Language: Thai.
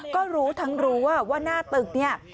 ก็รู้ทั้งรู้ว่าหน้าตึกเนี่ย